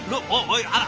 あら！